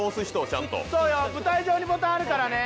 舞台上にボタンあるからね。